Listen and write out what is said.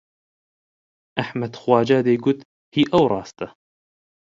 ئەحمەد خواجا دەیگوت هی ئەو ڕاستە